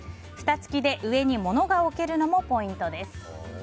ふた付きで上に物が置けるのもポイントです。